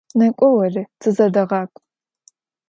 Nêk'o vori, tızedeğak'u!